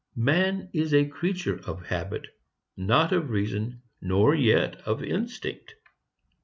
Man is a creature of habit, not of reason nor yet of instinct.